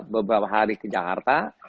beberapa hari ke jakarta